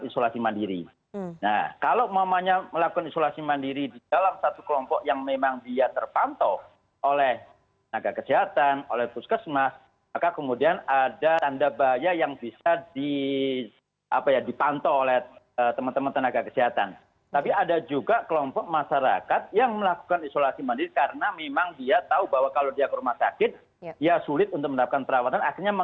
selamat sore mbak rifana